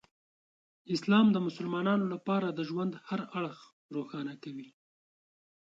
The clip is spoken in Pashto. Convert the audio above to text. اسلام د مسلمانانو لپاره د ژوند هر اړخ روښانه کوي.